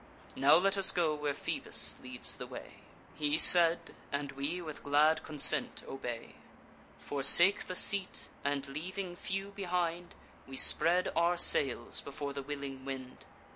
Now let us go where Phoebus leads the way.' "He said; and we with glad consent obey, Forsake the seat, and, leaving few behind, We spread our sails before the willing wind.